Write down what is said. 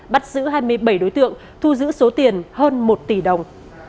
bắt giữ hai mươi bảy đối tượng thu giữ số tiền hơn một tỷ đồng